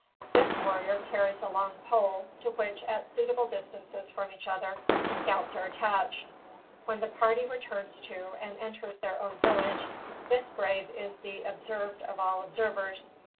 This warrior carries a long pole, to which, at suitable distances from each other, the scalps are attached. When the party returns to, and enters their own village, this brave is the observed of all observers.